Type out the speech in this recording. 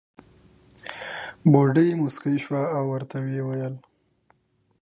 بوډۍ موسکۍ شوه او ورته وې وېل.